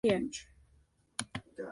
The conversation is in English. These sources apply to all three tables.